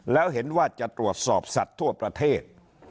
แล้วเห็นว่าจะตรวจสอบสัตว์ทั่วประเทศ